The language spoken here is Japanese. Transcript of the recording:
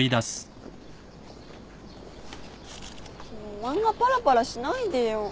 もう漫画パラパラしないでよ。